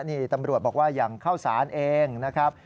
นี่ตำรวจบอกว่าอย่างข้าวสารเองนะครับ